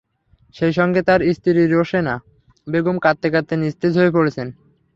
সেই সঙ্গে তাঁর স্ত্রী রোশেনা বেগম কাঁদতে কাঁদতে নিস্তেজ হয়ে পড়ছেন।